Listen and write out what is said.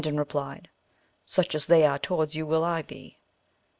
din replied, Such as they are towards you will I be.